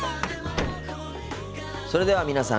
それでは皆さん